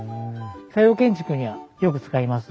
西洋建築にはよく使います。